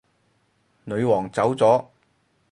女皇走咗